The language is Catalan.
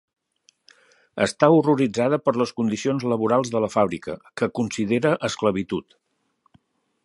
Està horroritzada per les condicions laborals de la fàbrica, que considera esclavitud.